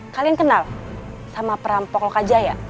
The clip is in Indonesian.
kalian kenal sama perampok lokajaya